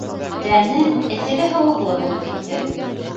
Тәне эҫеле-һыуыҡлы булып китте.